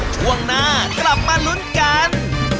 ช่วงหน้ากลับมาลุ้นกัน